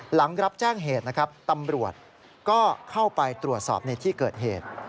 หลังรับแจ้งเหตุนะครับตำรวจก็เข้าไปตรวจสอบในที่เกิดเหตุ